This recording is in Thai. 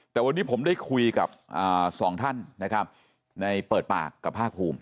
แต่วันนี้ผมได้คุยกับสองท่านนะครับในเปิดปากกับภาคภูมิ